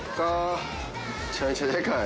めちゃめちゃでかい。